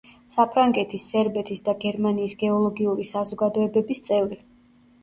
საფრანგეთის, სერბეთის და გერმანიის გეოლოგიური საზოგადოებების წევრი.